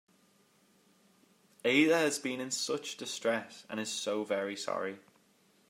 Ada has been in such distress, and is so very sorry.